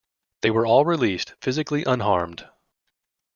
All were released physically unharmed.